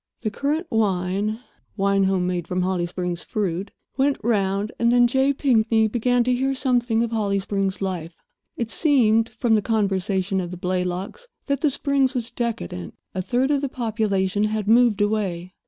The currant wine—wine home made from the Holly Springs fruit—went round, and then J. Pinkney began to hear something of Holly Springs life. It seemed (from the conversation of the Blaylocks) that the Springs was decadent. A third of the population had moved away.